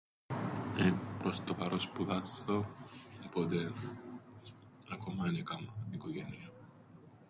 Ε, προς το παρόν σπουδάζω, τίποτε, ακόμα εν έκαμα, οικογένειαν...